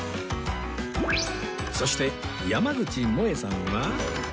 そして山口もえさんは